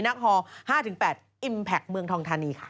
นักฮอล๕๘อิมแพคเมืองทองธานีค่ะ